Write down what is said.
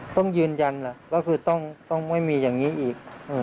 ต้องยืนยันแหละก็คือต้องไม่มีอย่างนี้อีก